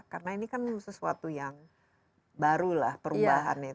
karena ini kan sesuatu yang baru lah perubahan itu